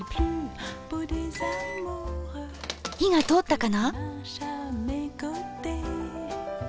火が通ったかな？